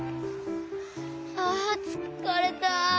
ああつかれた。